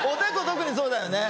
特にそうだよね。